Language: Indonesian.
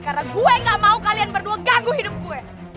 karena gue gak mau kalian berdua ganggu hidup gue